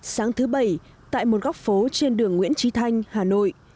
sáng thứ bảy tại một góc phố trên đường nguyễn trí thanh hà nội